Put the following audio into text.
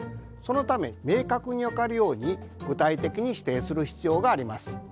そのため明確に分かるように具体的に指定する必要があります。